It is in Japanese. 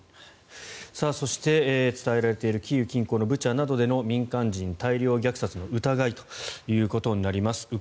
そして、伝えられているキーウ近郊のブチャなどでの民間人大量虐殺の疑いということになります。